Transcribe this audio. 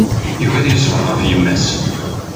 Yugi ad iṣber ɣef yemma-s.